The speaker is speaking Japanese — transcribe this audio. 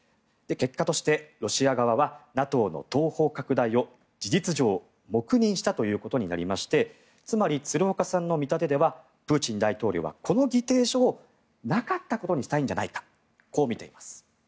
結果としてロシア側はＮＡＴＯの東方拡大を事実上、黙認したということになりましてつまり、鶴岡さんの見立てではプーチン大統領はこの議定書をなかったことにしたいんじゃないかこう見ています。